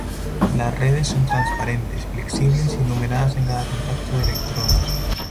Las redes son transparentes, flexibles y numeradas en cada contacto de electrodos.